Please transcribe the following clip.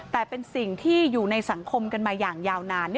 แต่เป็นสิ่งที่อยู่ในสังคมกันมาอย่างยาวนาน